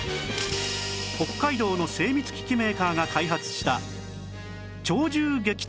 北海道の精密機器メーカーが開発した鳥獣撃退ロボット